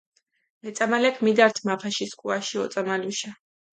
მეწამალექ მიდართ მაფაში სქუაში ოწამალუშა.